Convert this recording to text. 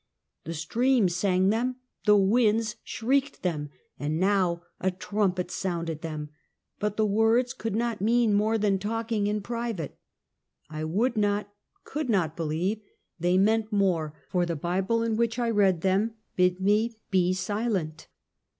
The streams sang them, the winds shrieked them, and now a trumpet sounded them, but the words could not mean more than talking in private. I would not, could not, believe they meant more, for the Bible in which I read them bid me be silent.